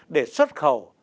để xuất khẩu